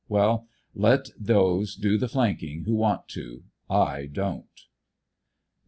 Will let those do the flanking who want to, I don't. Nov.